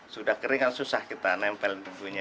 sudah kering kan susah kita nempel bumbunya